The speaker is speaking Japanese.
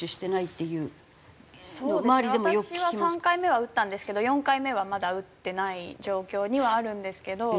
私は３回目は打ったんですけど４回目はまだ打ってない状況にはあるんですけど。